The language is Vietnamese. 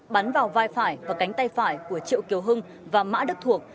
bắn vào vai phải và cánh tay phải của triệu kiều hưng và mã đức thuộc